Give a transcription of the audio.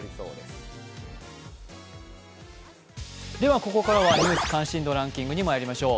ここからは「ニュース関心度ランキング」にまいりましょう。